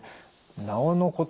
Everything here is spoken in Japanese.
なおのこと